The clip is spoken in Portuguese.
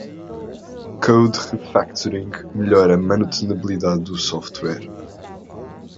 Code Refactoring melhora a manutenibilidade do software.